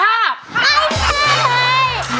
ไม่ใช่